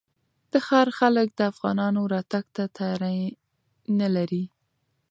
د ښار خلک د افغانانو راتګ ته تیاری نه لري.